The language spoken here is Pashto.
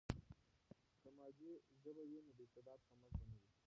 که مادي ژبه وي، نو د استعداد کمښت به نه وي.